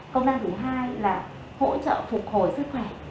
công lao thứ hai là hỗ trợ phục hồi sức khỏe